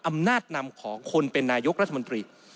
อำนาจนำของคนเป็นนายกรัฐมนตรี